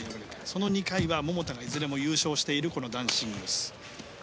その２回は、桃田がいずれも優勝している男子シングルス。